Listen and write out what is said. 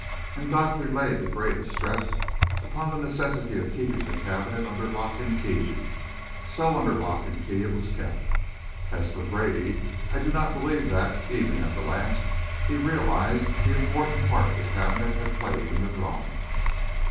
And Godfrey laid the greatest stress upon the necessity of keeping the cabinet under lock and key; so under lock and key it was kept. As for Grady, I do not believe that, even at the last, he realised the important part the cabinet had played in the drama.